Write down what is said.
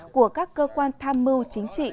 của các cơ quan tham mưu chính trị